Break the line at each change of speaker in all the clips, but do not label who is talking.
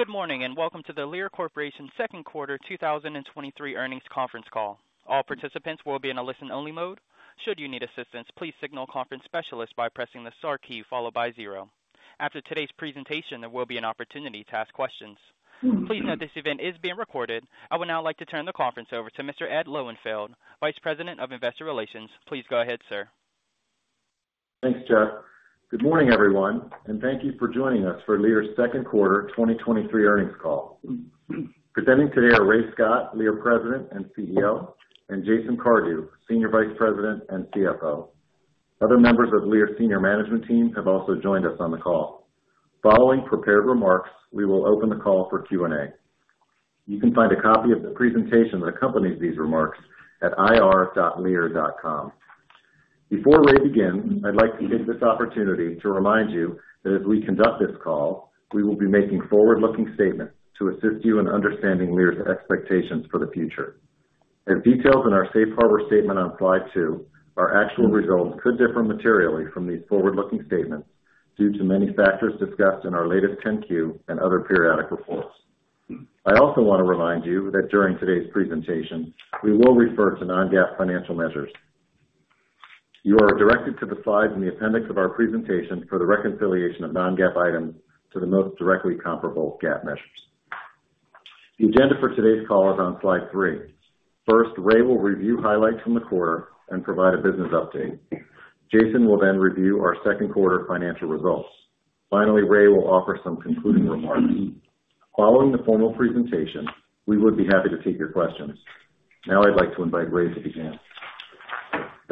Good morning, and welcome to the Lear Corporation Second Quarter 2023 Earnings Conference Call. All participants will be in a listen-only mode. Should you need assistance, please signal conference specialist by pressing the star key followed by zero. After today's presentation, there will be an opportunity to ask questions. Please note this event is being recorded. I would now like to turn the conference over to Mr. Ed Lowenfeld, Vice President of Investor Relations. Please go ahead, sir.
Thanks, Jeff. Good morning, everyone, and thank you for joining us for Lear's Second Quarter 2023 Earnings Call. Presenting today are Ray Scott, Lear President and CEO, and Jason Cardew, Senior Vice President and CFO. Other members of Lear's senior management team have also joined us on the call. Following prepared remarks, we will open the call for Q&A. You can find a copy of the presentation that accompanies these remarks at ir.lear.com. Before Ray begins, I'd like to take this opportunity to remind you that as we conduct this call, we will be making forward-looking statements to assist you in understanding Lear's expectations for the future. As detailed in our safe harbor statement on Slide 2, our actual results could differ materially from these forward-looking statements due to many factors discussed in our latest 10-Q and other periodic reports. I also want to remind you that during today's presentation, we will refer to non-GAAP financial measures. You are directed to the slides in the appendix of our presentation for the reconciliation of non-GAAP items to the most directly comparable GAAP measures. The agenda for today's call is on Slide 3. First, Ray will review highlights from the quarter and provide a business update. Jason will then review our second quarter financial results. Finally, Ray will offer some concluding remarks. Following the formal presentation, we would be happy to take your questions. Now I'd like to invite Ray to begin.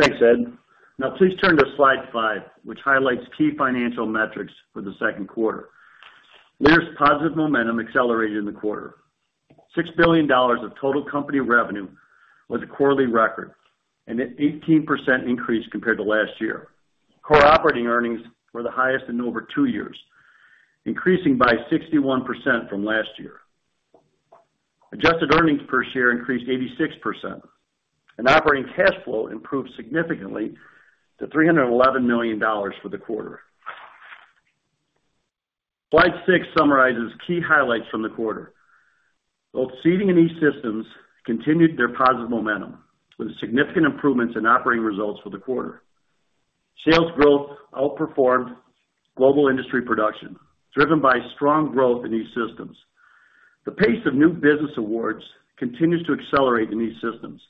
Thanks, Ed. Now, please turn to Slide 5, which highlights key financial metrics for the second quarter. Lear's positive momentum accelerated in the quarter. $6 billion of total company revenue was a quarterly record and an 18% increase compared to last year. Core operating earnings were the highest in over two years, increasing by 61% from last year. Adjusted earnings per share increased 86%, and operating cash flow improved significantly to $311 million for the quarter. Slide 6 summarizes key highlights from the quarter. Both Seating and E-Systems continued their positive momentum with significant improvements in operating results for the quarter. Sales growth outperformed global industry production, driven by strong growth in E-Systems. The pace of new business awards continues to accelerate in E-Systems.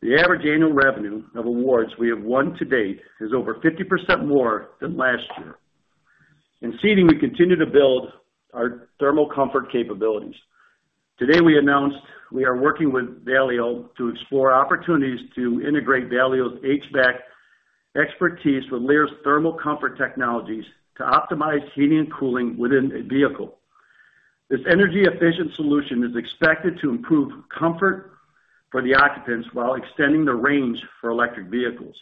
The average annual revenue of awards we have won to date is over 50% more than last year. In Seating, we continue to build our thermal comfort capabilities. Today, we announced we are working with Valeo to explore opportunities to integrate Valeo's HVAC expertise with Lear's thermal comfort technologies to optimize heating and cooling within a vehicle. This energy-efficient solution is expected to improve comfort for the occupants while extending the range for electric vehicles.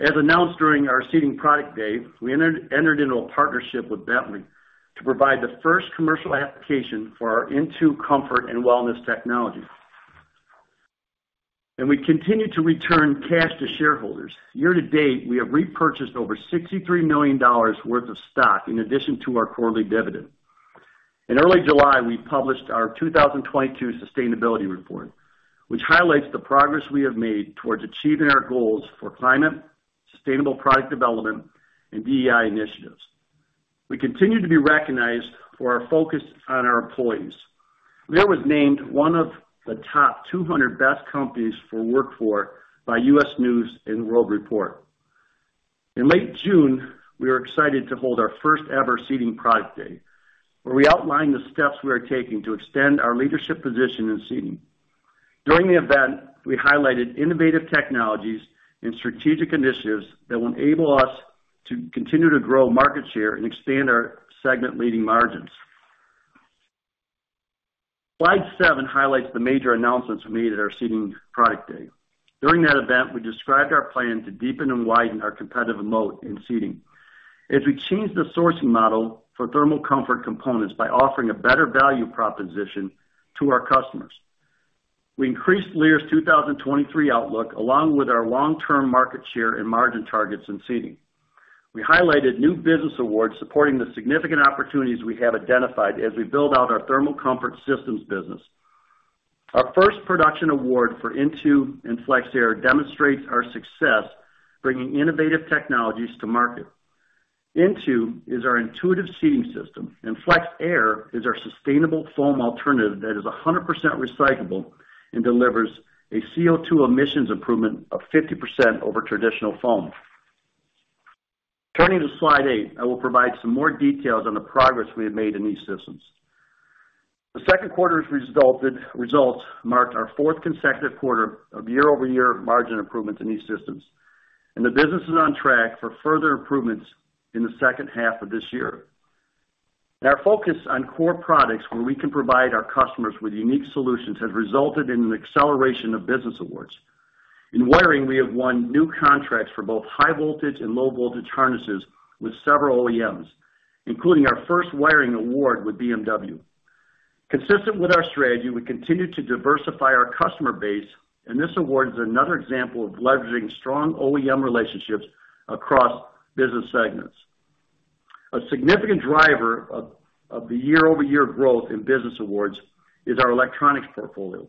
As announced during our Seating Product Day, we entered into a partnership with Bentley to provide the first commercial application for our INTU comfort and wellness technology. We continue to return cash to shareholders. Year-to-date, we have repurchased over $63 million worth of stock in addition to our quarterly dividend. In early July, we published our 2022 Sustainability Report, which highlights the progress we have made towards achieving our goals for climate, sustainable product development, and DEI initiatives. We continue to be recognized for our focus on our employees. Lear was named one of the top 200 Best Companies to Work For by U.S. News & World Report. In late June, we were excited to hold our first-ever Seating Product Day, where we outlined the steps we are taking to extend our leadership position in Seating. During the event, we highlighted innovative technologies and strategic initiatives that will enable us to continue to grow market share and expand our segment-leading margins. Slide 7 highlights the major announcements made at our Seating Product Day. During that event, we described our plan to deepen and widen our competitive moat in Seating. As we changed the sourcing model for thermal comfort components by offering a better value proposition to our customers, we increased Lear's 2023 outlook, along with our long-term market share and margin targets in Seating. We highlighted new business awards supporting the significant opportunities we have identified as we build out our thermal comfort systems business. Our first production award for INTU and FlexAir demonstrates our success bringing innovative technologies to market. INTU is our intuitive seating system, and FlexAir is our sustainable foam alternative that is 100% recyclable and delivers a CO2 emissions improvement of 50% over traditional foam. Turning to Slide 8, I will provide some more details on the progress we have made in E-Systems. The second quarter's results marked our fourth consecutive quarter of year-over-year margin improvements in E-Systems, and the business is on track for further improvements in the second half of this year. Our focus on core products, where we can provide our customers with unique solutions, has resulted in an acceleration of business awards. In wiring, we have won new contracts for both high voltage and low-voltage harnesses with several OEMs, including our first wiring award with BMW. Consistent with our strategy, we continue to diversify our customer base, and this award is another example of leveraging strong OEM relationships across business segments. A significant driver of the year-over-year growth in business awards is our electronics portfolio.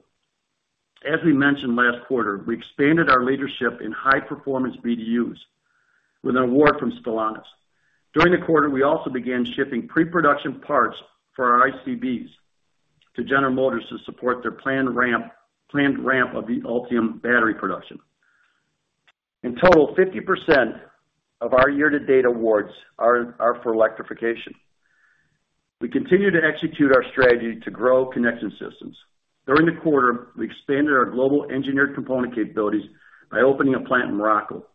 As we mentioned last quarter, we expanded our leadership in high-performance BDUs with an award from Stellantis. During the quarter, we also began shipping pre-production parts for our ICBs to General Motors to support their planned ramp, planned ramp of the Ultium battery production. In total, 50% of our year-to-date awards are, are for electrification. We continue to execute our strategy to grow connection systems. During the quarter, we expanded our global engineered component capabilities by opening a plant in Morocco.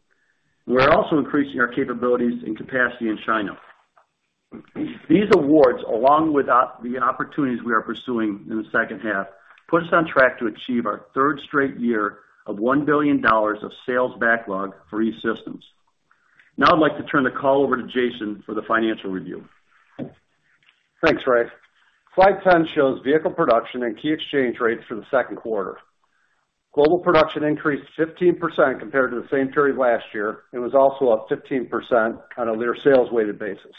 We're also increasing our capabilities and capacity in China. These awards, along with the opportunities we are pursuing in the second half, put us on track to achieve our third straight year of $1 billion of sales backlog for E-Systems. Now I'd like to turn the call over to Jason for the financial review.
Thanks, Ray. Slide 10 shows vehicle production and key exchange rates for the second quarter. Global production increased 15% compared to the same period last year, and was also up 15% on a Lear sales-weighted basis.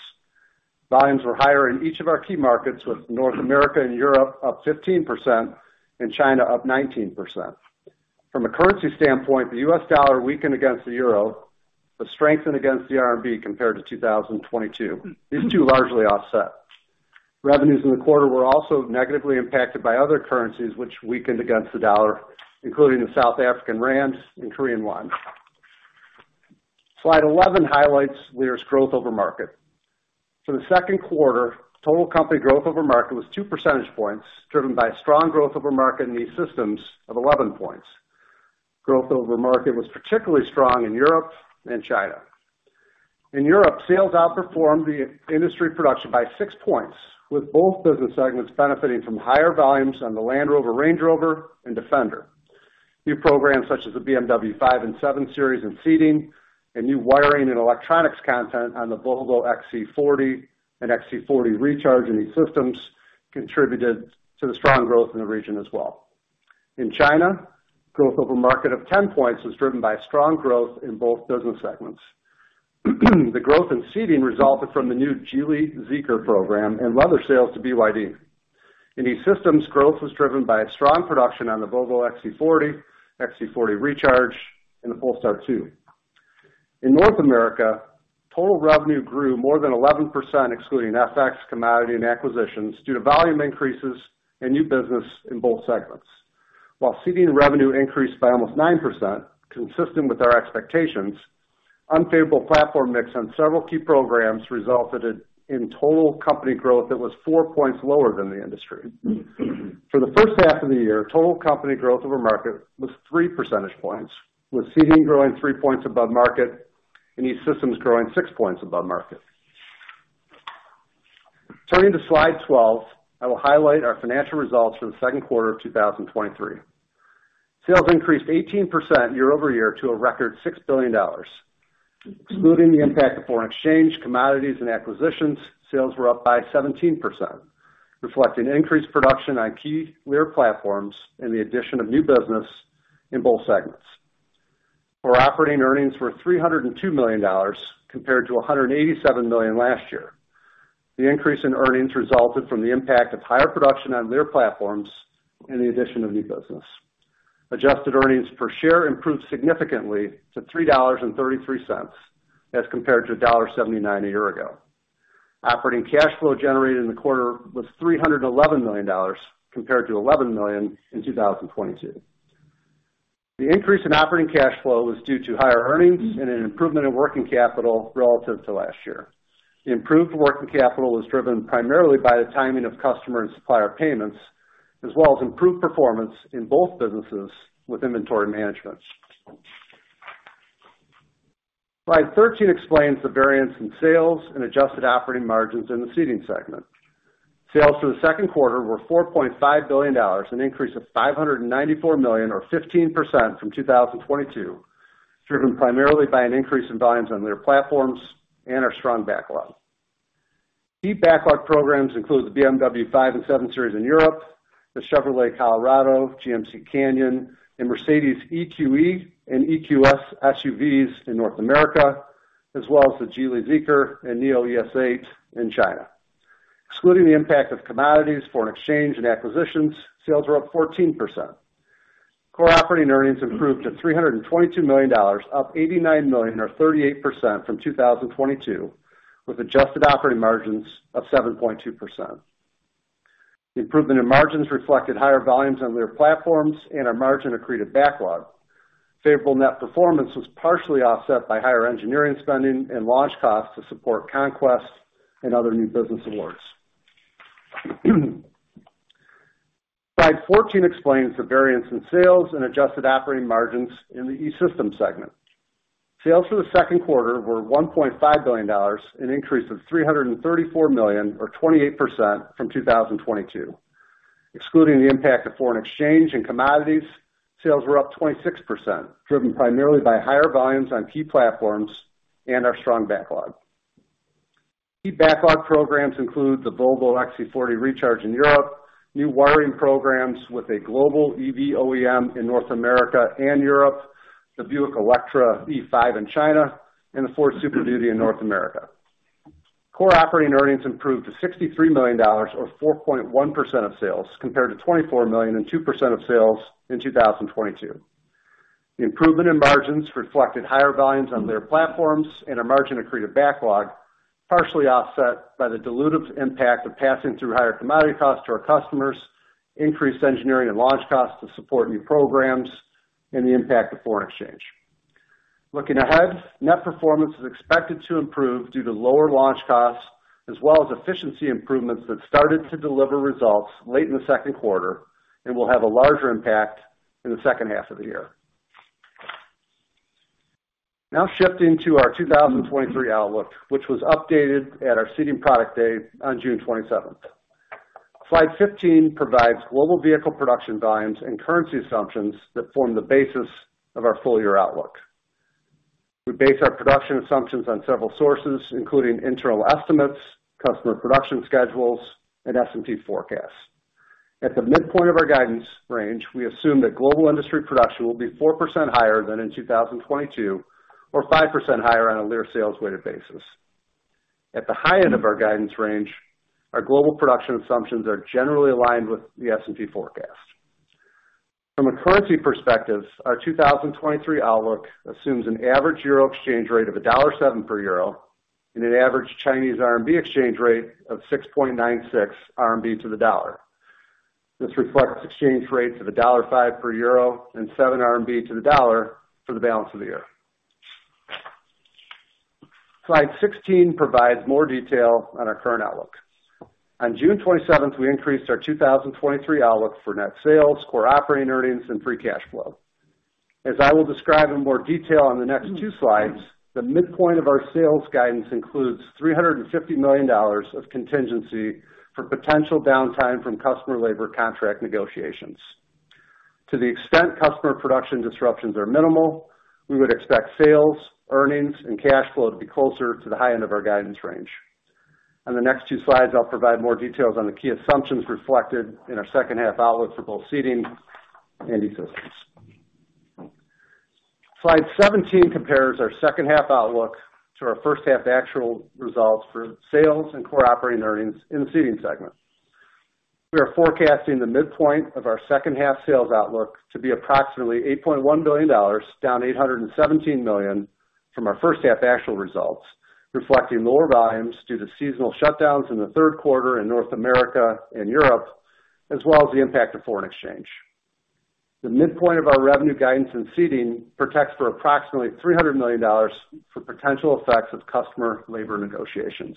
Volumes were higher in each of our key markets, with North America and Europe up 15% and China up 19%. From a currency standpoint, the U.S. dollar weakened against the euro, but strengthened against the RMB compared to 2022. These two largely offset. Revenues in the quarter were also negatively impacted by other currencies, which weakened against the dollar, including the South African rand and Korean won. Slide 11 highlights Lear's growth over market. For the second quarter, total company growth over market was 2 percentage points, driven by strong growth over market in E-Systems of 11 points. Growth over market was particularly strong in Europe and China. In Europe, sales outperformed the industry production by 6 points, with both business segments benefiting from higher volumes on the Land Rover Range Rover and Defender. New programs, such as the BMW 5 and 7 Series in Seating and new wiring and electronics content on the Volvo XC40 and XC40 Recharge in E-Systems, contributed to the strong growth in the region as well. In China, growth over market of 10 points was driven by strong growth in both business segments. The growth in Seating resulted from the new Geely Zeekr program and other sales to BYD. In E-Systems, growth was driven by a strong production on the Volvo XC40, XC40 Recharge, and the Polestar 2. In North America, total revenue grew more than 11%, excluding FX, commodity, and acquisitions, due to volume increases and new business in both segments. While Seating revenue increased by almost 9%, consistent with our expectations, unfavorable platform mix on several key programs resulted in total company growth that was 4 points lower than the industry. For the first half of the year, total company growth over market was 3 percentage points, with Seating growing 3 points above market, and E-Systems growing 6 points above market. Turning to Slide 12, I will highlight our financial results for the second quarter of 2023. Sales increased 18% year-over-year to a record $6 billion. Excluding the impact of foreign exchange, commodities, and acquisitions, sales were up by 17%, reflecting increased production on key Lear platforms and the addition of new business in both segments. Our operating earnings were $302 million, compared to $187 million last year. The increase in earnings resulted from the impact of higher production on Lear platforms and the addition of new business. Adjusted earnings per share improved significantly to $3.33, as compared to $1.79 a year ago. Operating cash flow generated in the quarter was $311 million, compared to $11 million in 2022. The increase in operating cash flow was due to higher earnings and an improvement in working capital relative to last year. The improved working capital was driven primarily by the timing of customer and supplier payments, as well as improved performance in both businesses with inventory management. Slide 13 explains the variance in sales and adjusted operating margins in the Seating segment. Sales for the second quarter were $4.5 billion, an increase of $594 million or 15% from 2022, driven primarily by an increase in volumes on their platforms and our strong backlog. Key backlog programs include the BMW 5 and 7 Series in Europe, the Chevrolet Colorado, GMC Canyon, and Mercedes EQE and EQS SUVs in North America, as well as the Geely Zeekr and NIO ES8 in China. Excluding the impact of commodities, foreign exchange, and acquisitions, sales were up 14%. Core operating earnings improved to $322 million, up $89 million or 38% from 2022, with adjusted operating margins of 7.2%. The improvement in margins reflected higher volumes on their platforms and our margin accreted backlog. Favorable net performance was partially offset by higher engineering spending and launch costs to support conquests and other new business awards. Slide 14 explains the variance in sales and adjusted operating margins in the E-Systems segment. Sales for the second quarter were $1.5 billion, an increase of $334 million or 28% from 2022. Excluding the impact of foreign exchange and commodities, sales were up 26%, driven primarily by higher volumes on key platforms and our strong backlog. Key backlog programs include the Volvo XC40 Recharge in Europe, new wiring programs with a global EV OEM in North America and Europe, the Buick Electra E5 in China, and the Ford Super Duty in North America. Core operating earnings improved to $63 million or 4.1% of sales, compared to $24 million and 2% of sales in 2022. The improvement in margins reflected higher volumes on their platforms and a margin accretive backlog, partially offset by the dilutive impact of passing through higher commodity costs to our customers, increased engineering and launch costs to support new programs, and the impact of foreign exchange. Looking ahead, net performance is expected to improve due to lower launch costs, as well as efficiency improvements that started to deliver results late in the second quarter and will have a larger impact in the second half of the year. Shifting to our 2023 outlook, which was updated at our Seating Product Day on June 27th. Slide 15 provides global vehicle production volumes and currency assumptions that form the basis of our full-year outlook. We base our production assumptions on several sources, including internal estimates, customer production schedules, and S&P forecasts. At the midpoint of our guidance range, we assume that global industry production will be 4% higher than in 2022, or 5% higher on a Lear sales-weighted basis. At the high end of our guidance range, our global production assumptions are generally aligned with the S&P forecast. From a currency perspective, our 2023 outlook assumes an average euro exchange rate of $1.07 per euro and an average Chinese RMB exchange rate of 6.96 RMB to the dollar. This reflects exchange rates of $1.05 per euro and 7 RMB to the dollar for the balance of the year. Slide 16 provides more detail on our current outlook. On June 27th, we increased our 2023 outlook for net sales, core operating earnings, and free cash flow. As I will describe in more detail on the next two slides, the midpoint of our sales guidance includes $350 million of contingency for potential downtime from customer labor contract negotiations. To the extent customer production disruptions are minimal, we would expect sales, earnings, and cash flow to be closer to the high end of our guidance range. On the next two slides, I'll provide more details on the key assumptions reflected in our second half outlook for both Seating and E-Systems. Slide 17 compares our second half outlook to our first half actual results for sales and core operating earnings in the Seating segment. We are forecasting the midpoint of our second half sales outlook to be approximately $8.1 billion, down $817 million from our first half actual results, reflecting lower volumes due to seasonal shutdowns in the third quarter in North America and Europe, as well as the impact of foreign exchange. The midpoint of our revenue guidance in Seating protects for approximately $300 million for potential effects of customer labor negotiations.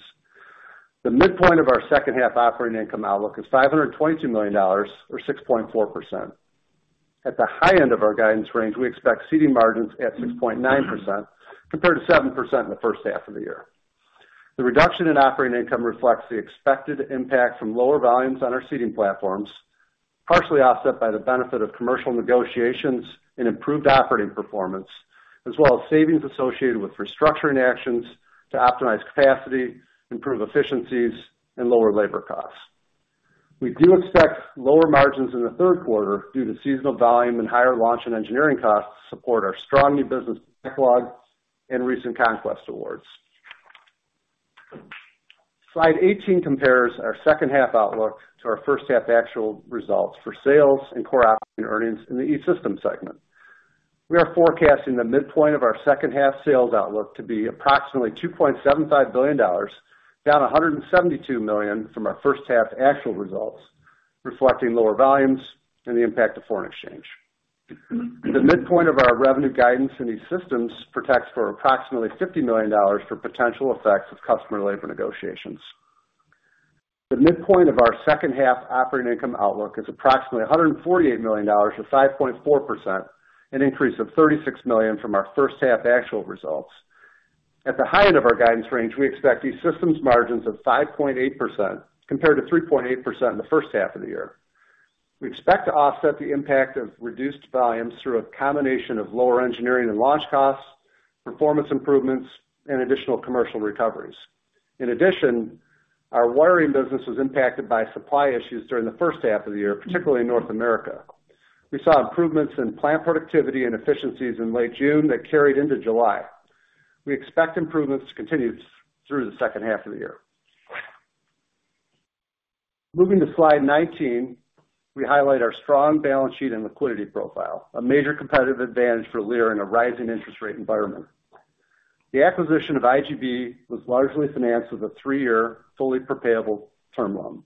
The midpoint of our second half operating income outlook is $522 million, or 6.4%. At the high end of our guidance range, we expect Seating margins at 6.9%, compared to 7% in the first half of the year. The reduction in operating income reflects the expected impact from lower volumes on our Seating platforms, partially offset by the benefit of commercial negotiations and improved operating performance, as well as savings associated with restructuring actions to optimize capacity, improve efficiencies, and lower labor costs. We do expect lower margins in the third quarter due to seasonal volume and higher launch and engineering costs to support our strong new business backlog and recent conquest awards. Slide 18 compares our second half outlook to our first half actual results for sales and core operating earnings in the E-System segment. We are forecasting the midpoint of our second half sales outlook to be approximately $2.75 billion, down $172 million from our first half actual results, reflecting lower volumes and the impact of foreign exchange. The midpoint of our revenue guidance in E-Systems protects for approximately $50 million for potential effects of customer labor negotiations. The midpoint of our second half operating income outlook is approximately $148 million, or 5.4%, an increase of $36 million from our first half actual results. At the high end of our guidance range, we expect E-Systems margins of 5.8%, compared to 3.8% in the first half of the year. We expect to offset the impact of reduced volumes through a combination of lower engineering and launch costs, performance improvements, and additional commercial recoveries. Our wiring business was impacted by supply issues during the first half of the year, particularly in North America. We saw improvements in plant productivity and efficiencies in late June that carried into July. We expect improvements to continue through the second half of the year. Moving to Slide 19, we highlight our strong balance sheet and liquidity profile, a major competitive advantage for Lear in a rising interest rate environment. The acquisition of IGB was largely financed with a three-year, fully prepayable term loan.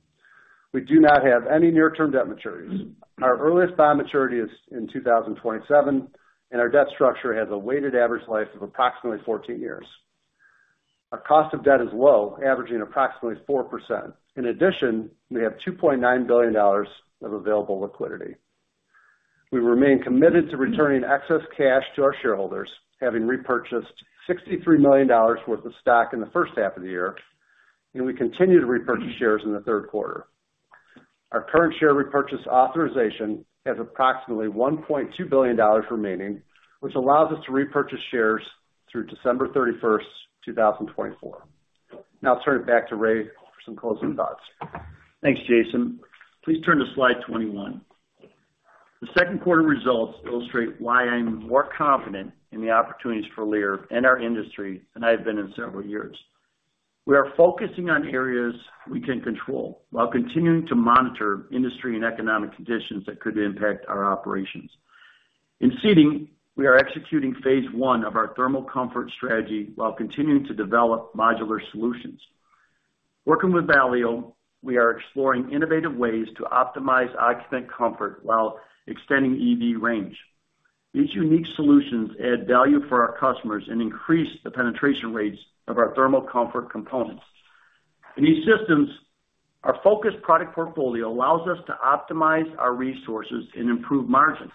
We do not have any near-term debt maturities. Our earliest bond maturity is in 2027, and our debt structure has a weighted average life of approximately 14 years. Our cost of debt is low, averaging approximately 4%. In addition, we have $2.9 billion of available liquidity. We remain committed to returning excess cash to our shareholders, having repurchased $63 million worth of stock in the first half of the year, and we continue to repurchase shares in the third quarter. Our current share repurchase authorization has approximately $1.2 billion remaining, which allows us to repurchase shares through December 31st, 2024. Now I'll turn it back to Ray for some closing thoughts.
Thanks, Jason. Please turn to Slide 21. The second quarter results illustrate why I'm more confident in the opportunities for Lear and our industry than I have been in several years. We are focusing on areas we can control while continuing to monitor industry and economic conditions that could impact our operations. In Seating, we are executing Phase 1 of our thermal comfort strategy while continuing to develop modular solutions. Working with Valeo, we are exploring innovative ways to optimize occupant comfort while extending EV range. These unique solutions add value for our customers and increase the penetration rates of our thermal comfort components. In E-Systems, our focused product portfolio allows us to optimize our resources and improve margins.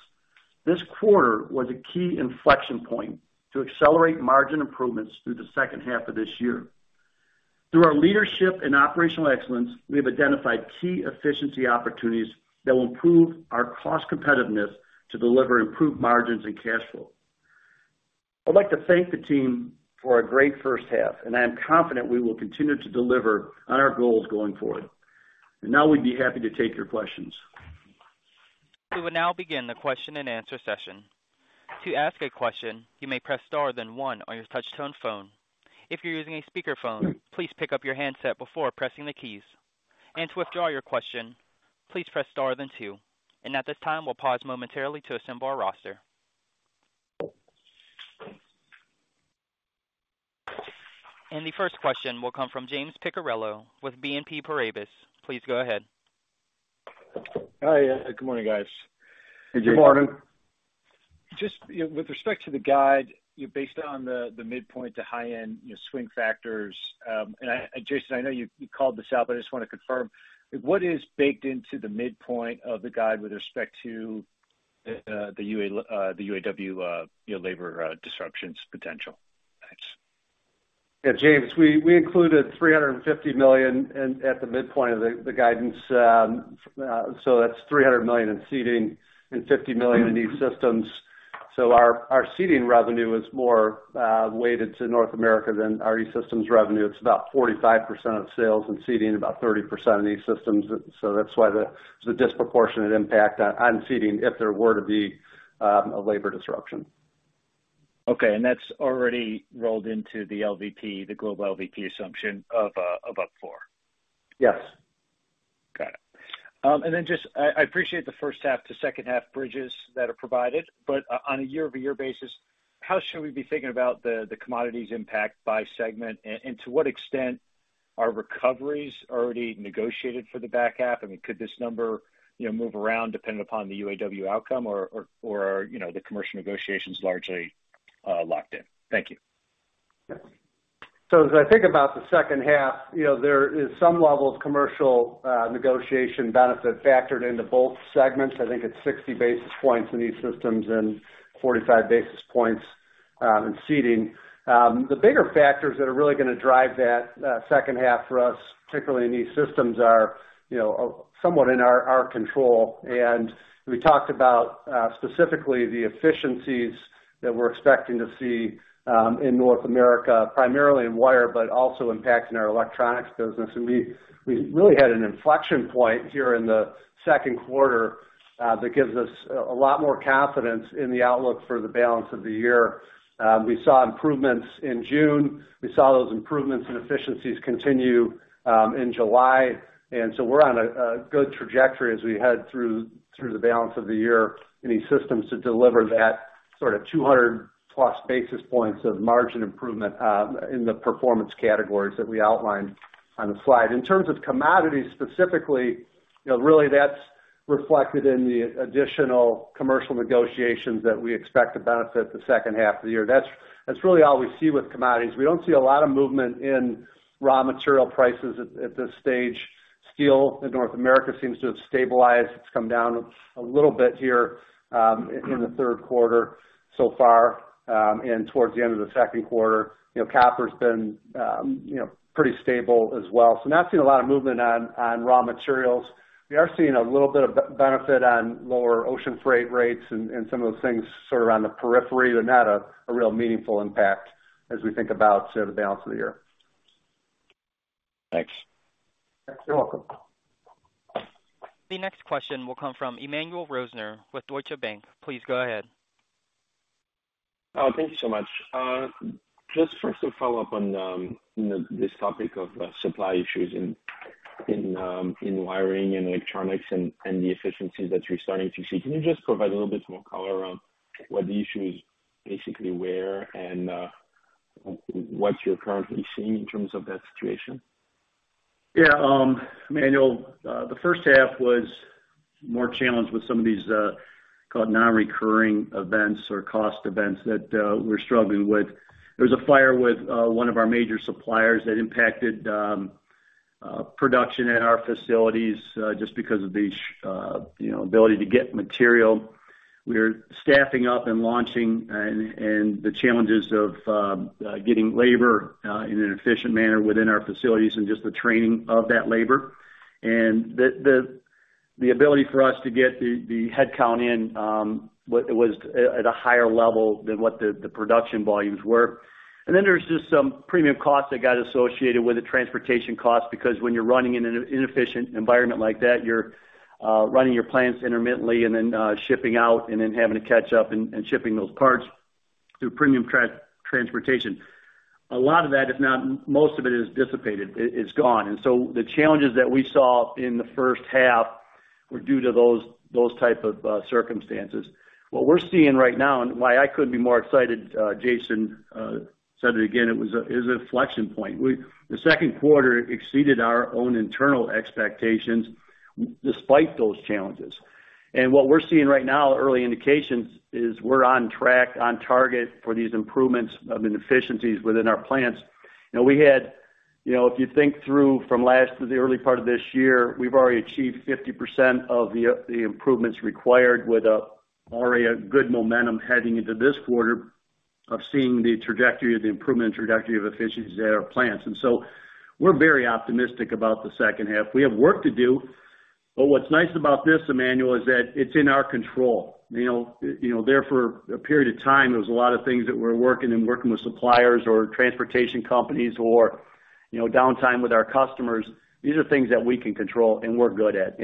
This quarter was a key inflection point to accelerate margin improvements through the second half of this year. Through our leadership and operational excellence, we have identified key efficiency opportunities that will improve our cost competitiveness to deliver improved margins and cash flow. I'd like to thank the team for a great first half. I'm confident we will continue to deliver on our goals going forward. Now we'd be happy to take your questions.
We will now begin the question-and-answer session. To ask a question, you may press star then one on your touchtone phone. If you're using a speakerphone, please pick up your handset before pressing the keys. To withdraw your question, please press star then two. At this time, we'll pause momentarily to assemble our roster. The first question will come from James Picariello with BNP Paribas. Please go ahead.
Hi, good morning, guys.
Good morning.
Just, you know, with respect to the guide, based on the, the midpoint to high end, you know, swing factors, and Jason, I know you, you called this out, but I just want to confirm: What is baked into the midpoint of the guide with respect to the UAW, you know, labor disruptions potential? Thanks.
Yeah, James, we, we included $350 million at the midpoint of the guidance. That's $300 million in Seating and $50 million in E-Systems. Our Seating revenue is more weighted to North America than our E-Systems revenue. It's about 45% of sales in Seating, about 30% in E-Systems. That's why the disproportionate impact on Seating if there were to be a labor disruption.
Okay, that's already rolled into the LVP, the global LVP assumption of, of up 4?
Yes.
Got it. Then just I, I appreciate the first half to second half bridges that are provided, but on a year-over-year basis, how should we be thinking about the commodities impact by segment? To what extent are recoveries already negotiated for the back half? I mean, could this number, you know, move around depending upon the UAW outcome, or, you know, the commercial negotiations largely locked in? Thank you.
As I think about the second half, you know, there is some level of commercial negotiation benefit factored into both segments. I think it's 60 basis points in E-Systems and 45 basis points in Seating. The bigger factors that are really gonna drive that second half for us, particularly in E-Systems, are, you know, somewhat in our control. We talked about specifically the efficiencies that we're expecting to see in North America, primarily in wire, but also impacting our electronics business. We really had an inflection point here in the second quarter that gives us a lot more confidence in the outlook for the balance of the year. We saw improvements in June. We saw those improvements and efficiencies continue in July, and so we're on a good trajectory as we head through, through the balance of the year in E-Systems to deliver that sort of 200+ basis points of margin improvement in the performance categories that we outlined on the slide. In terms of commodities, specifically, you know, really, that's reflected in the additional commercial negotiations that we expect to benefit the second half of the year. That's, that's really all we see with commodities. We don't see a lot of movement in raw material prices at this stage. Steel in North America seems to have stabilized. It's come down a little bit here in the third quarter so far, and towards the end of the second quarter. You know, copper's been, you know, pretty stable as well. Not seeing a lot of movement on, on raw materials. We are seeing a little bit of benefit on lower ocean freight rates and, and some of those things sort of on the periphery, but not a real meaningful impact as we think about sort of the balance of the year.
Thanks.
You're welcome.
The next question will come from Emmanuel Rosner with Deutsche Bank. Please go ahead.
Thank you so much. Just first to follow up on, you know, this topic of supply issues in in wiring and electronics and the efficiencies that you're starting to see. Can you just provide a little bit more color around what the issue is, basically where, and what you're currently seeing in terms of that situation?
Yeah, Emmanuel, the first half was more challenged with some of these, called non-recurring events or cost events that we're struggling with. There was a fire with one of our major suppliers that impacted production at our facilities, just because of the you know, ability to get material. We are staffing up and launching and, and the challenges of getting labor in an efficient manner within our facilities and just the training of that labor. The, the, the ability for us to get the, the headcount in was at, at a higher level than what the, the production volumes were. Then there's just some premium costs that got associated with the transportation costs, because when you're running in an inefficient environment like that, you're running your plants intermittently and then shipping out, and then having to catch up and shipping those parts through premium transportation. A lot of that, if not most of it, is dissipated, it, it's gone. The challenges that we saw in the first half were due to those, those type of circumstances. What we're seeing right now and why I couldn't be more excited, Jason said it again, it was a inflection point. The second quarter exceeded our own internal expectations despite those challenges. What we're seeing right now, early indications, is we're on track, on target for these improvements of inefficiencies within our plants. You know, we had, you know, if you think through from last to the early part of this year, we've already achieved 50% of the improvements required, with already a good momentum heading into this quarter of seeing the trajectory of the improvement and trajectory of efficiencies at our plants. We're very optimistic about the second half. We have work to do, but what's nice about this, Emmanuel, is that it's in our control. You know, you know, there for a period of time, there was a lot of things that we're working and working with suppliers or transportation companies or, you know, downtime with our customers. These are things that we can control and we're good at.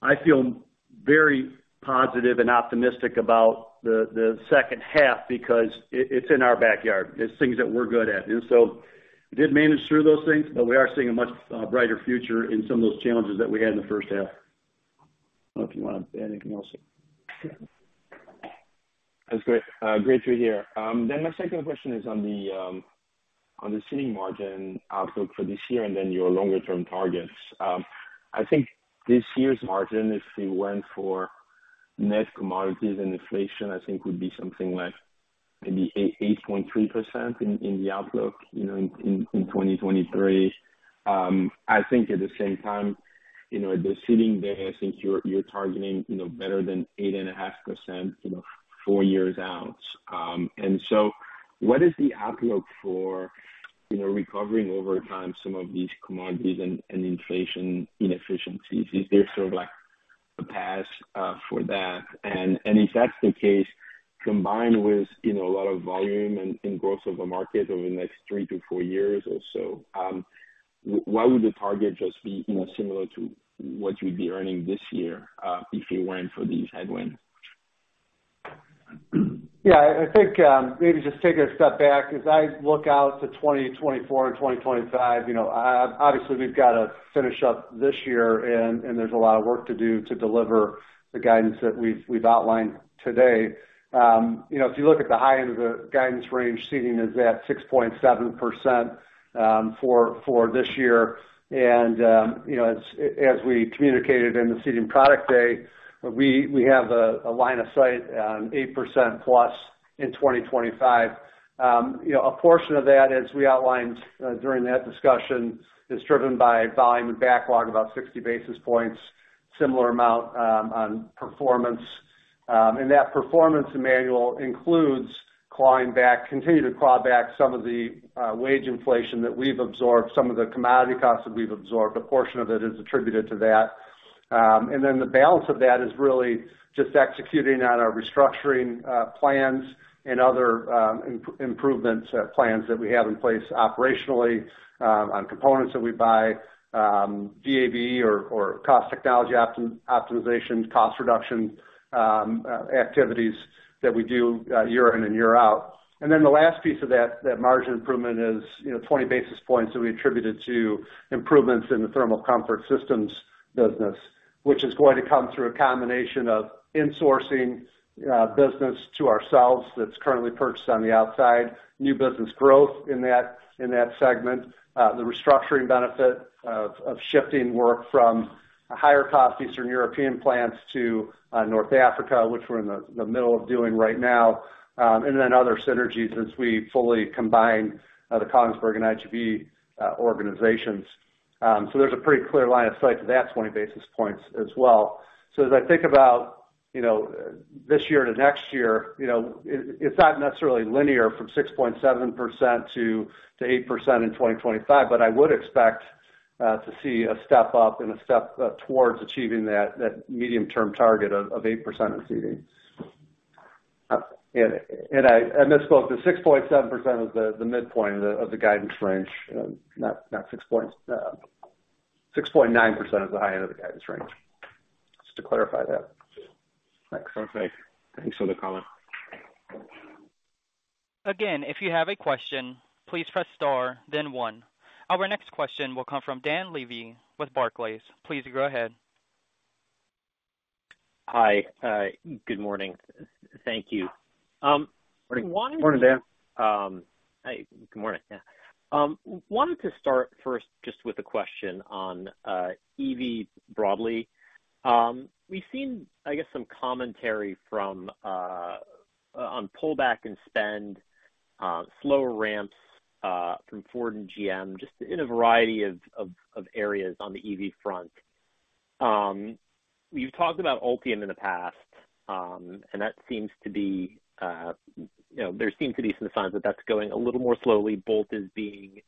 I feel very positive and optimistic about the second half because it, it's in our backyard. It's things that we're good at. We did manage through those things, but we are seeing a much brighter future in some of those challenges that we had in the first half. I don't know if you want to add anything else?
That's great. Great to hear. My second question is on the Seating margin outlook for this year and then your longer term targets. I think this year's margin, if we went for net commodities and inflation, I think would be something like maybe 8.3% in, in the outlook, you know, in, in, in 2023. I think at the same time, you know, the Seating there, I think you're, you're targeting, you know, better than 8.5%, you know, four years out. What is the outlook for, you know, recovering over time some of these commodities and, and inflation inefficiencies? Is there sort of like a path for that? If that's the case, combined with, you know, a lot of volume and, and growth of the market over the next three to four years or so, why would the target just be, you know, similar to what you'd be earning this year, if you went for these headwind?
Yeah, I think, maybe just taking a step back. As I look out to 2024 and 2025, you know, obviously, we've got to finish up this year, and there's a lot of work to do to deliver the guidance that we've outlined today. You know, if you look at the high end of the guidance range, Seating is at 6.7% for this year. You know, as we communicated in the Seating Product Day, we have a line of sight on 8%+ in 2025. You know, a portion of that, as we outlined during that discussion, is driven by volume and backlog, about 60 basis points, similar amount on performance. And that performance, Emmanuel, includes clawing back, continue to claw back some of the wage inflation that we've absorbed, some of the commodity costs that we've absorbed. A portion of it is attributed to that. And then the balance of that is really just executing on our restructuring plans and other improvements, plans that we have in place operationally, on components that we buy, DAV or, or cost technology optimization, cost reduction activities that we do year in and year out. The last piece of that, that margin improvement is, you know, 20 basis points that we attributed to improvements in the thermal comfort systems business, which is going to come through a combination of insourcing business to ourselves that's currently purchased on the outside, new business growth in that, in that segment, the restructuring benefit of, of shifting work from a higher cost Eastern European plants to North Africa, which we're in the middle of doing right now, and then other synergies as we fully combine the Kongsberg and IGB organizations. So there's a pretty clear line of sight to that 20 basis points as well. As I think about, you know, this year to next year, you know, it, it's not necessarily linear from 6.7% to 8% in 2025, but I would expect to see a step up and a step towards achieving that, that medium-term target of 8% in Seating. I misspoke, the 6.7% is the midpoint of the guidance range, not 6.9% is the high end of the guidance range. Just to clarify that. Thanks.
Okay. Thanks for the comment.
If you have a question, please press star then one. Our next question will come from Dan Levy with Barclays. Please go ahead.
Hi, good morning. Thank you.
Morning, Dan.
Hi, good morning. Wanted to start first just with a question on EV broadly. We've seen, I guess, some commentary from on pullback in spend. Slower ramps from Ford and GM, just in a variety of areas on the EV front. You've talked about Ultium in the past, and that seems to be, you know, there seem to be some signs that that's going a little more slowly. Bolt is being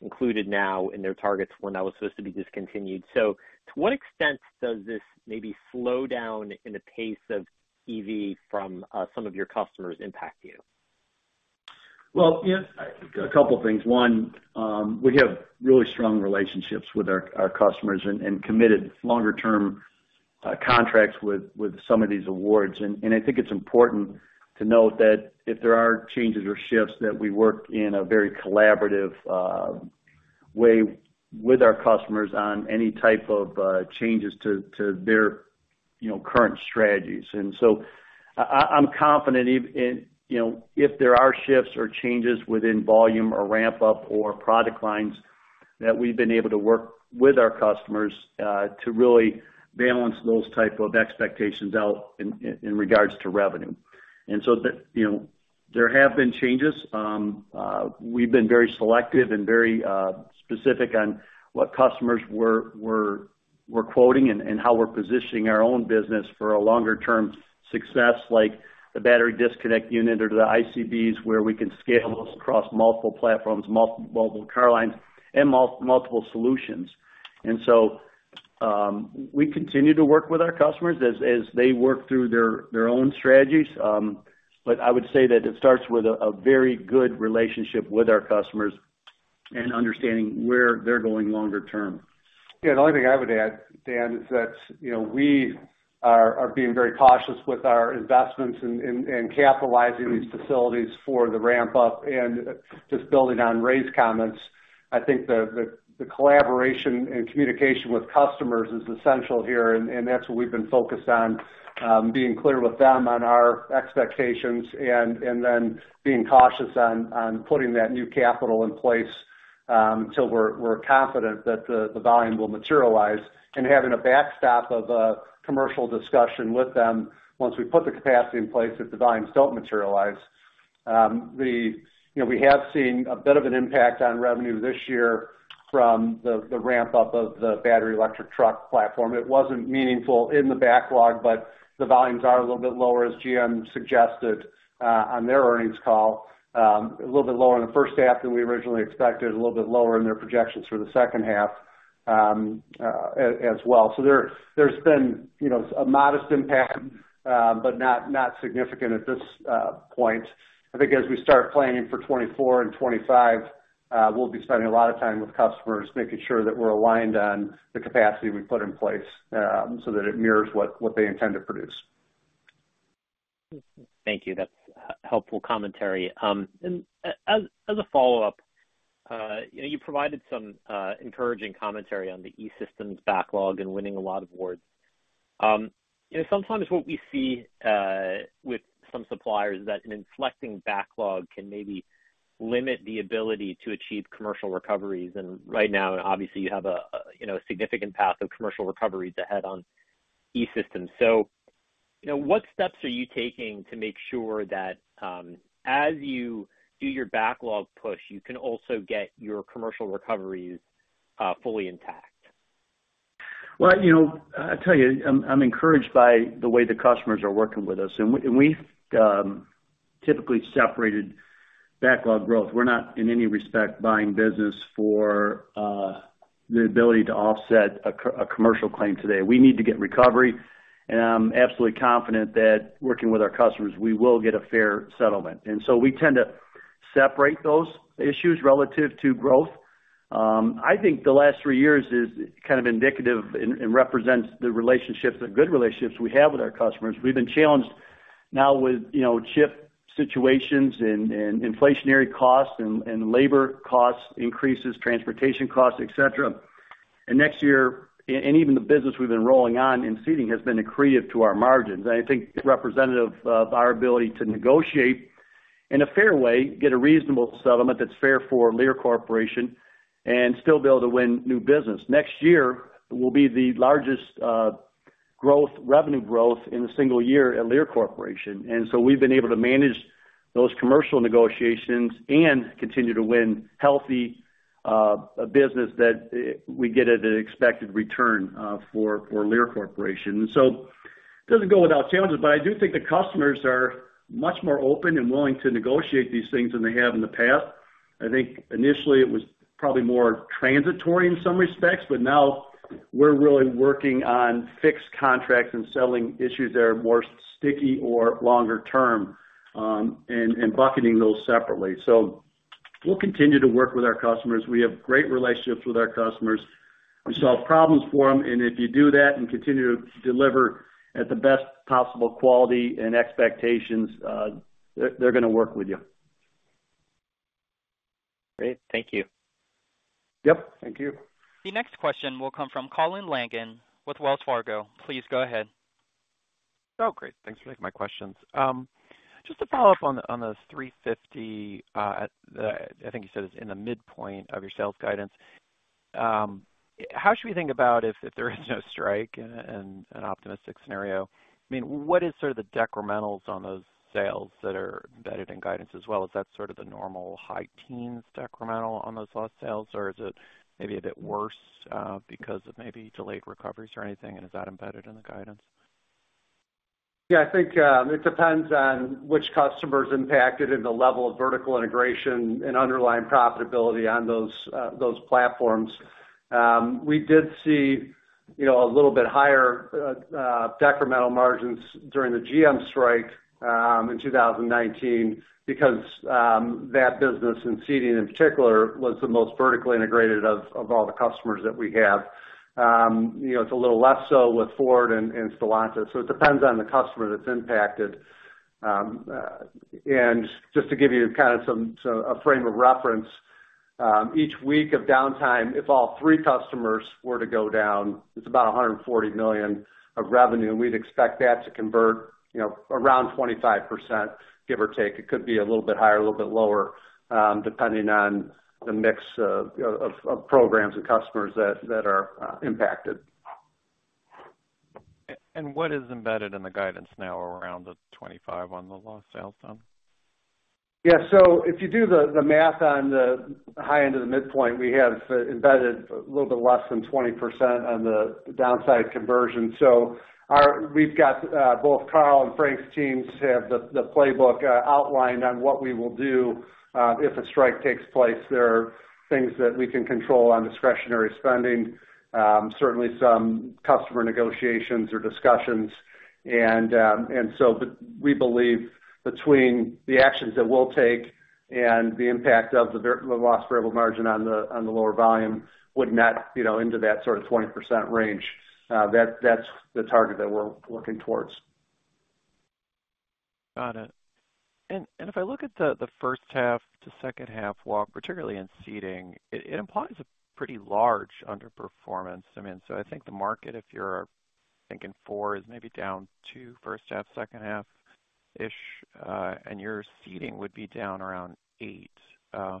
included now in their targets, when that was supposed to be discontinued. To what extent does this maybe slow down in the pace of EV from some of your customers impact you?
Well, you know, a couple things. One, we have really strong relationships with our, our customers and, and committed longer-term contracts with, with some of these awards. I think it's important to note that if there are changes or shifts, that we work in a very collaborative way with our customers on any type of changes to, to their, you know, current strategies. I, I, I'm confident, and, you know, if there are shifts or changes within volume or ramp up or product lines, that we've been able to work with our customers to really balance those type of expectations out in, in regards to revenue. You know, there have been changes. We've been very selective and very specific on what customers we're, we're, we're quoting and, and how we're positioning our own business for a longer term success, like the Battery Disconnect Unit or the ICBs, where we can scale those across multiple platforms, multiple car lines, and multiple solutions. We continue to work with our customers as, as they work through their, their own strategies. But I would say that it starts with a, a very good relationship with our customers and understanding where they're going longer term.
Yeah, the only thing I would add, Dan, is that, you know, we are, are being very cautious with our investments and, and, and capitalizing these facilities for the ramp up. Just building on Ray's comments, I think the, the, the collaboration and communication with customers is essential here, and, and that's what we've been focused on, being clear with them on our expectations and, and then being cautious on, on putting that new capital in place, until we're, we're confident that the, the volume will materialize. Having a backstop of a commercial discussion with them once we put the capacity in place, if the volumes don't materialize. You know, we have seen a bit of an impact on revenue this year from the, the ramp up of the battery electric truck platform. It wasn't meaningful in the backlog, but the volumes are a little bit lower, as GM suggested on their earnings call. A little bit lower in the first half than we originally expected, a little bit lower in their projections for the second half as well. There's been, you know, a modest impact, but not significant at this point. I think as we start planning for 2024 and 2025, we'll be spending a lot of time with customers, making sure that we're aligned on the capacity we put in place so that it mirrors what, what they intend to produce.
Thank you. That's helpful commentary. As, as a follow-up, you know, you provided some encouraging commentary on the E-Systems backlog and winning a lot of awards. You know, sometimes what we see with some suppliers is that an inflecting backlog can maybe limit the ability to achieve commercial recoveries. Right now, obviously, you have a, you know, a significant path of commercial recoveries ahead on E-Systems. You know, what steps are you taking to make sure that, as you do your backlog push, you can also get your commercial recoveries fully intact?
Well, you know, I tell you, I'm, I'm encouraged by the way the customers are working with us, and we, and we've typically separated backlog growth. We're not, in any respect, buying business for the ability to offset a commercial claim today. We need to get recovery, and I'm absolutely confident that working with our customers, we will get a fair settlement. So we tend to separate those issues relative to growth. I think the last three years is kind of indicative and represents the relationships, the good relationships we have with our customers. We've been challenged now with, you know, chip situations and inflationary costs and labor costs increases, transportation costs, et cetera. Next year, even the business we've been rolling on in Seating, has been accretive to our margins, and I think representative of our ability to negotiate in a fair way, get a reasonable settlement that's fair for Lear Corporation, and still be able to win new business. Next year will be the largest growth, revenue growth in a single year at Lear Corporation, we've been able to manage those commercial negotiations and continue to win healthy business that we get at an expected return for Lear Corporation. It doesn't go without challenges, but I do think the customers are much more open and willing to negotiate these things than they have in the past. I think initially it was probably more transitory in some respects, but now we're really working on fixed contracts and settling issues that are more sticky or longer term, and bucketing those separately. We'll continue to work with our customers. We have great relationships with our customers. We solve problems for them, and if you do that and continue to deliver at the best possible quality and expectations, they're going to work with you.
Great. Thank you.
Yep, thank you.
The next question will come from Colin Langan with Wells Fargo. Please go ahead.
Oh, great. Thanks for taking my questions. Just to follow up on the, on the $350 million, at the. I think you said it's in the midpoint of your sales guidance. How should we think about if, if there is no strike and an optimistic scenario? I mean, what is sort of the decrementals on those sales that are embedded in guidance as well? Is that sort of the normal high teens decremental on those lost sales, or is it maybe a bit worse, because of maybe delayed recoveries or anything, and is that embedded in the guidance?
Yeah, I think, it depends on which customer is impacted and the level of vertical integration and underlying profitability on those platforms. We did see, you know, a little bit higher decremental margins during the GM strike in 2019, because that business, in Seating in particular, was the most vertically integrated of all the customers that we have. You know, it's a little less so with Ford and Stellantis. It depends on the customer that's impacted. And just to give you kind of some, so a frame of reference, each week of downtime, if all three customers were to go down, it's about $140 million of revenue, and we'd expect that to convert, you know, around 25%, give or take. It could be a little bit higher or a little bit lower, depending on the mix of, you know, of, of programs and customers that, that are impacted.
What is embedded in the guidance now around the 2025 on the lost sales then?
Yeah, so if you do the math on the high end of the midpoint, we have embedded a little bit less than 20% on the downside conversion. We've got both Carl and Frank's teams have the playbook outlined on what we will do if a strike takes place. There are things that we can control on discretionary spending, certainly some customer negotiations or discussions. But we believe between the actions that we'll take and the impact of the lost variable margin on the lower volume would net, you know, into that sort of 20% range. That, that's the target that we're looking towards.
Got it. And if I look at the, the first half to second half walk, particularly in Seating, it, it implies a pretty large underperformance. I mean, so I think the market, if you're thinking 4%, is maybe down to first half, second half-ish, and your Seating would be down around 8%.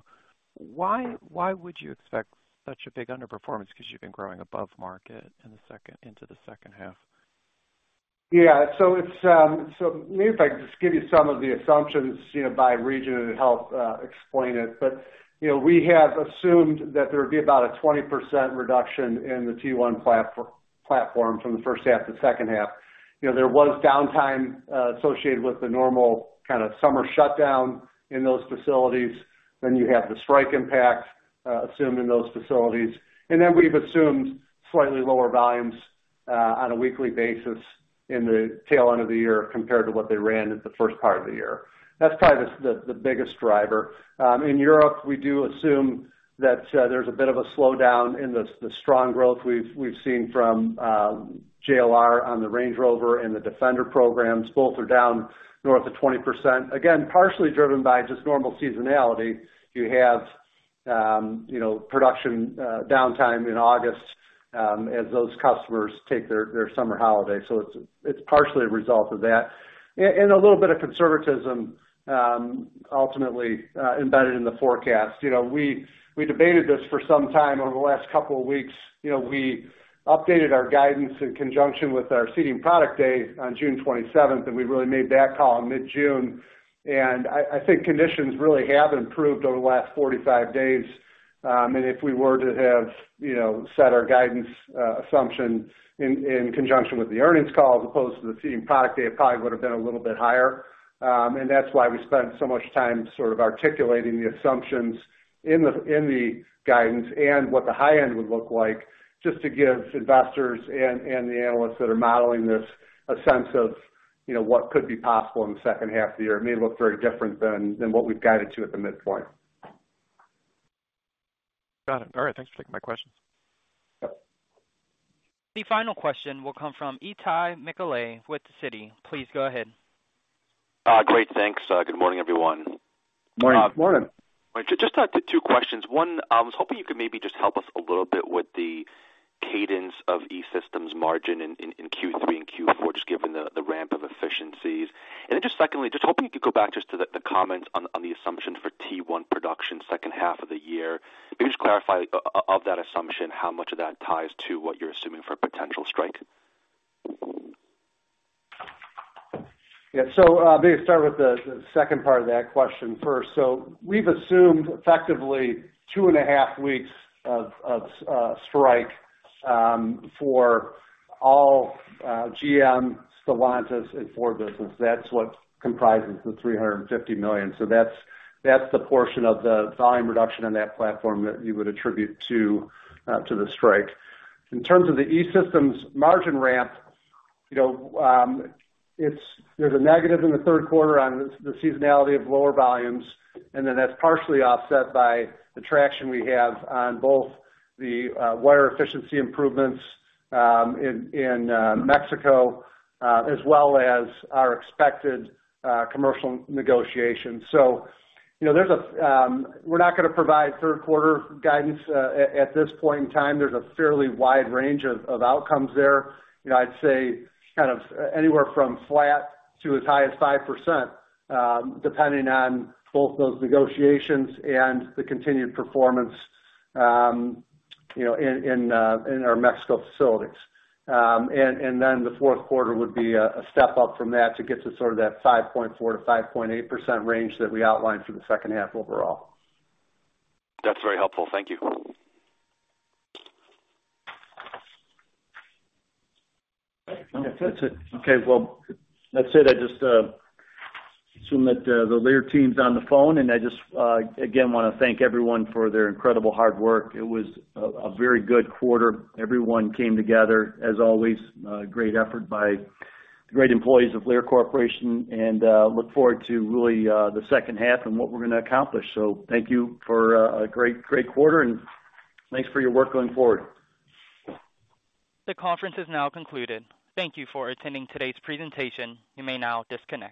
Why, why would you expect such a big underperformance? Because you've been growing above market in the second, into the second half.
Yeah. Maybe if I can just give you some of the assumptions, you know, by region, it'll help explain it. You know, we have assumed that there would be about a 20% reduction in the T1 platform from the first half to second half. You know, there was downtime associated with the normal kind of summer shutdown in those facilities. You have the strike impact assumed in those facilities. Then we've assumed slightly lower volumes on a weekly basis in the tail end of the year compared to what they ran in the first part of the year. That's probably the, the, the biggest driver. In Europe, we do assume that there's a bit of a slowdown in the, the strong growth we've, we've seen from JLR on the Range Rover and the Defender programs. Both are down north of 20%, again, partially driven by just normal seasonality. You have, you know, production downtime in August, as those customers take their, their summer holiday. It's, it's partially a result of that. A little bit of conservatism, ultimately, embedded in the forecast. You know, we, we debated this for some time over the last couple of weeks. You know, we updated our guidance in conjunction with our Seating Product Day on June 27th, and we really made that call in mid-June. I, I think conditions really have improved over the last 45 days. If we were to have, you know, set our guidance assumption in conjunction with the earnings call as opposed to the Seating Product Day, it probably would have been a little bit higher. That's why we spent so much time sort of articulating the assumptions in the guidance and what the high end would look like, just to give investors and the analysts that are modeling this, a sense of, you know, what could be possible in the second half of the year. It may look very different than what we've guided to at the midpoint.
Got it. All right. Thanks for taking my questions.
Yep.
The final question will come from Itay Michaeli with Citi. Please go ahead.
Great. Thanks. Good morning, everyone.
Morning.
Morning.
Just two questions. One, I was hoping you could maybe just help us a little bit with the cadence of E-Systems margin in, in, in Q3 and Q4, just given the, the ramp of efficiencies. Secondly, just hoping you could go back just to the, the comments on, on the assumptions for T1 production second half of the year. Maybe just clarify of that assumption, how much of that ties to what you're assuming for a potential strike?
Yeah. Maybe start with the second part of that question first. We've assumed effectively 2.5 weeks of strike for all GM, Stellantis and Ford business. That's what comprises the $350 million. That's, that's the portion of the volume reduction on that platform that you would attribute to the strike. In terms of the E-Systems margin ramp, you know, it's there's a negative in the third quarter on the seasonality of lower volumes, and then that's partially offset by the traction we have on both the water efficiency improvements in Mexico, as well as our expected commercial negotiation. You know, We're not going to provide third quarter guidance at this point in time. There's a fairly wide range of, of outcomes there. You know, I'd say kind of anywhere from flat to as high as 5%, depending on both those negotiations and the continued performance, you know, in our Mexico facilities. Then the fourth quarter would be a, a step up from that to get to sort of that 5.4%-5.8% range that we outlined for the second half overall.
That's very helpful. Thank you.
That's it. Okay, well, that's it. I just assume that the Lear team's on the phone, and I just again, want to thank everyone for their incredible hard work. It was a very good quarter. Everyone came together, as always, great effort by the great employees of Lear Corporation, and look forward to really the second half and what we're going to accomplish. Thank you for a great, great quarter, and thanks for your work going forward.
The conference is now concluded. Thank you for attending today's presentation. You may now disconnect.